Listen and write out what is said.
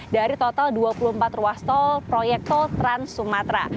dari total dua puluh empat ruas tol proyek tol trans sumatera